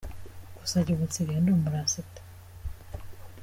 Gusa njye ubu nsigaye ndi umurasita…”.